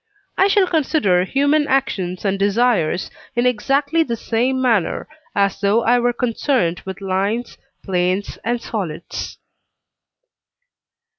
I shall consider human actions and desires in exactly the same manner, as though I were concerned with lines, planes, and solids.